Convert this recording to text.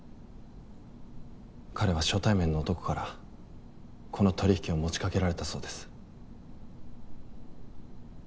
彼は初対面の男からこの取引を持ち掛けられたそうです。